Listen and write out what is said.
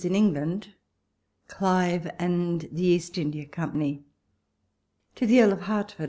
V ENGLAXD CL/VE AND THE EAST INDIA COMPANY. To THE Eahl of Hehtfoed.